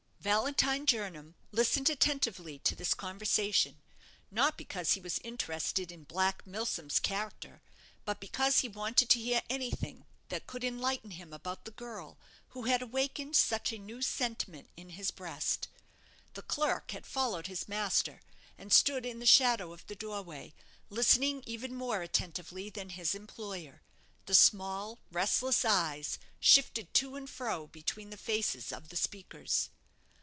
Valentine Jernam listened attentively to this conversation not because he was interested in Black Milsom's character, but because he wanted to hear anything that could enlighten him about the girl who had awakened such a new sentiment in his breast. The clerk had followed his master, and stood in the shadow of the doorway, listening even more attentively than his employer; the small, restless eyes shifted to and fro between the faces of the speakers.